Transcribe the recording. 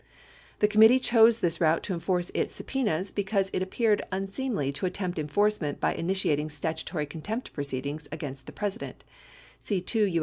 The committee chose this route to enforce its subpenas because it appeared unseemly to attempt enforcement by initiating statutory contempt proceedings against the President (see 2 H.